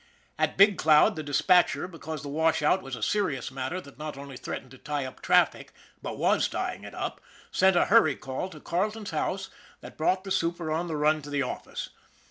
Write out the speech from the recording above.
At Big Cloud, the dispatcher, because the washout was a serious matter that not only threatened to tie up traffic, but was tying it up, sent a hurry call to Carleton's house that brought the super on the run to the office.